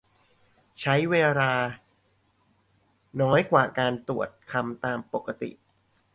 ใช้เวลาน้อยกว่าการตรวจคำตามปกติ